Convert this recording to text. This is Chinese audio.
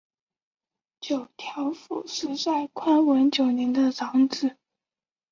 九条辅实在宽文九年的长子。